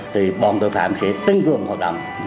thì bọn tội phạm sẽ tăng cường hợp đồng